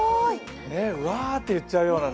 うわって言っちゃうような